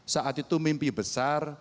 saat itu mimpi besar